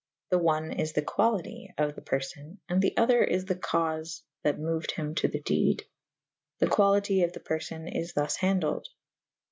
The one is the qualite [D viii b] of the perfone / and the other is the caufe that meuyd hym to the dede. The qualite of the per fon is thus handled.